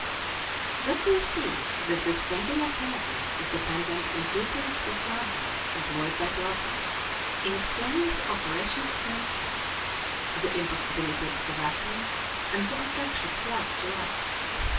Thus we see that this singular theory is dependent on two principles largely employed by Plato in explaining the operations of nature, the impossibility of a vacuum and the attraction of like to like.